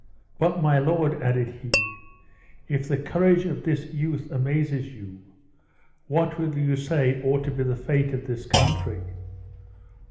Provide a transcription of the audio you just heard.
But, my lord," added he, "if the courage of this youth amazes you, what will you say ought to be the fate of this country?